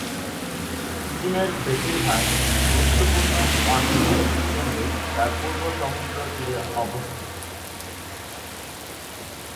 চীনের বেশিরভাগ গুরুত্বপূর্ণ অর্থনৈতিক কেন্দ্র তার পূর্ব সমুদ্র তীরে অবস্থিত।